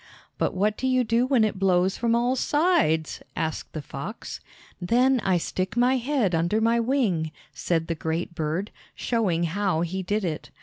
"But what do you do when it blows from all sides?" asked the fox. "Then I stick my head under my wing," said the great bird, showing how he did it.